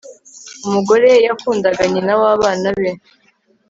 umugore yakundaga, nyina w'abana be